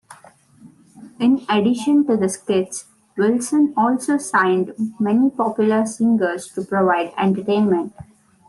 In addition to the skits, Wilson also signed many popular singers to provide entertainment.